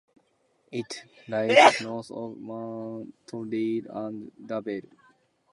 It lies north of Montreal and Laval.